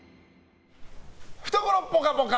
懐ぽかぽか！